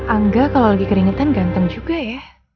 angga kalau lagi keringetan ganteng juga ya